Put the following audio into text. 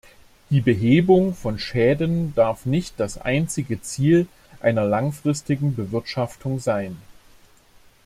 Die Behebung von Schäden darf nicht das einzige Ziel einer langfristigen Bewirtschaftung sein.